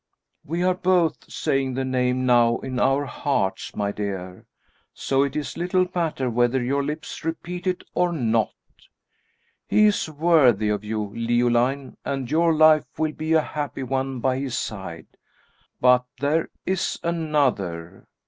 "We are both saying the name now in our hearts, my dear, so it is little matter whether our lips repeat it or not. He is worthy, of you, Leoline, and your life will be a happy one by his side; but there is another."